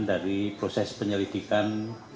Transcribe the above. dari proses penyelidikan